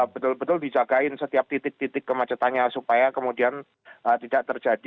betul betul dijagain setiap titik titik kemacetannya supaya kemudian tidak terjadi